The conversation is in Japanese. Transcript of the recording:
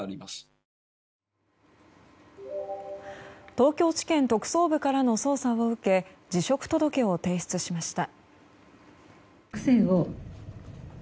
東京地検特捜部からの捜査を受け辞職届を提出しました。